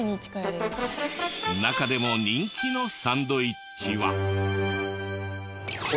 中でも人気のサンドウィッチは。